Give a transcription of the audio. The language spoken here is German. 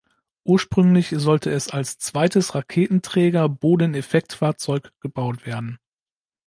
Ursprünglich sollte es als zweites Raketenträger-Bodeneffektfahrzeug gebaut werden.